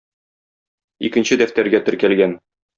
Икенче дәфтәргә теркәлгән.